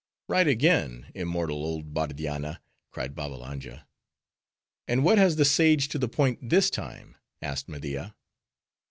"Right again, immortal old Bardianna!" cried Babbalanja. "And what has the sage to the point this time?" asked Media.